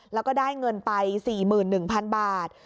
แล้วก็ได้เงินไป๔๑๐๐๐บาท